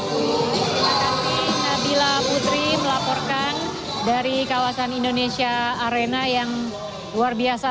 terima kasih nabila putri melaporkan dari kawasan indonesia arena yang luar biasa